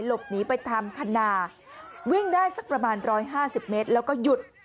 หลบหนีไปทำคันนาวิ่งได้สักประมาณ๑๕๐เมตรแล้วก็หยุด